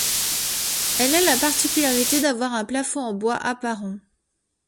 Elle a la particularité d’avoir un plafond en bois apparent.